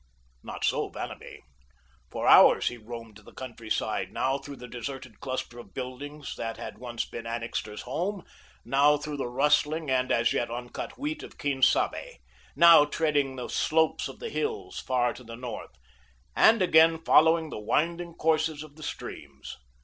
Not so Vanamee. For hours he roamed the countryside, now through the deserted cluster of buildings that had once been Annixter's home; now through the rustling and, as yet, uncut wheat of Quien Sabe! now treading the slopes of the hills far to the north, and again following the winding courses of the streams.